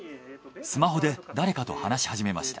スマホで誰かと話し始めました。